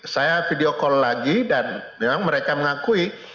saya video call lagi dan memang mereka mengakui